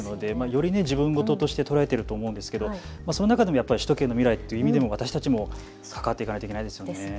より自分事として捉えていると思うんですがその中でも首都圏の未来という意味では私たちも関わっていかなければいけないですね。